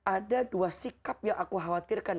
ada dua sikap yang aku khawatirkan